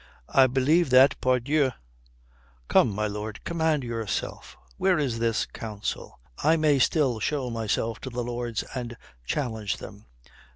"I believe that, pardieu. Come, my lord, command yourself. Where is this Council? I may still show myself to the lords and challenge them."